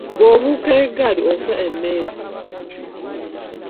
Bw’obuuka eggaali ofa emmeeri.